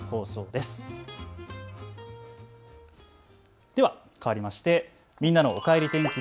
では、かわりましてみんなのおかえり天気。